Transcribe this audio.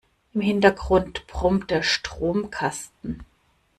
Im Hintergrund brummt der Stromkasten.